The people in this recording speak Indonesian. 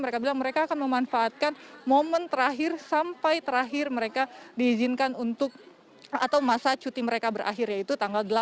mereka bilang mereka akan memanfaatkan momen terakhir sampai terakhir mereka diizinkan untuk atau masa cuti mereka berakhir yaitu tanggal delapan